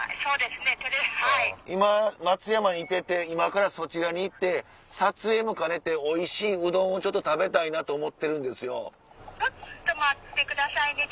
今松山にいてて今からそちらに行って撮影も兼ねておいしいうどんを食べたいなと思ってるんですよ。